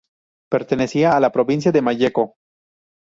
Pertenecía a la Provincia de Malleco.